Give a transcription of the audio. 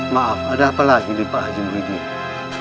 maaf ada apa lagi nih pak haji muidin